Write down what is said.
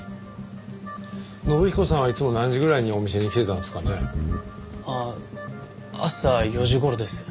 信彦さんはいつも何時ぐらいにお店に来てたんですかね？ああ朝４時頃です。